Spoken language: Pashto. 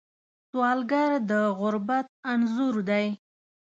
سوالګر د غربت انځور دی